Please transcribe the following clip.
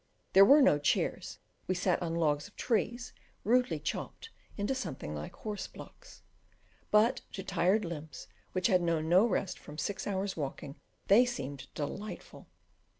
There were no chairs; we sat on logs of trees rudely chopped into something like horse blocks, but to tired limbs which had known no rest from six hours' walking they seemed delightful.